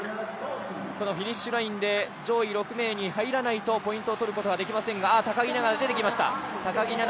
フィニッシュラインで上位６名に入らないと、ポイントを取ることはできませんが、高木菜那が出てきました。